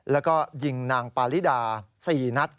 แล้วก็ยิงนางปาริดา๔นัด